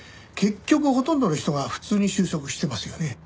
結局ほとんどの人が普通に就職してますよね。